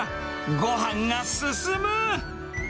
ごはんが進む。